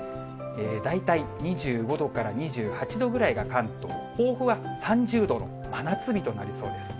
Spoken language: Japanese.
大体２５度から２８度ぐらいが関東、甲府は３０度の真夏日となりそうです。